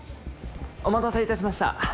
お待たせいたしました。